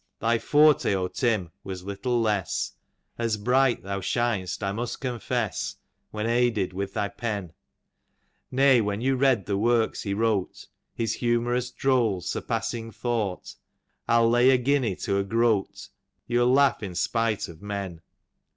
Thy forte O Tim, was little less, As bright thou shiu'st I must confess, When aided with thy pen ; Nay when you read the works he wrote, His humorous drolls surpassing thought, I'll lay ft guinea to a groat, You'll laugh in spite of men.